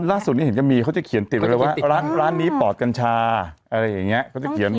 ล่าสุดนี้เห็นก็มีเขาจะเขียนติดไว้เลยว่าร้านนี้ปอดกัญชาอะไรอย่างนี้